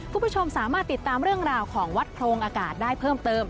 คุณผู้ชมสามารถติดตามเรื่องราวของวัดโพรงอากาศได้เพิ่มเติม